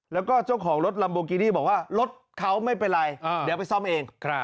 แล้วก็เจ้าของรถลัมโบกินี่บอกว่ารถเขาไม่เป็นไรเดี๋ยวไปซ่อมเอง